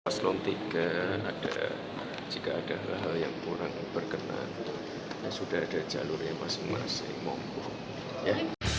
paslon tiga jika ada hal hal yang kurang berkenan sudah ada jalurnya masing masing ya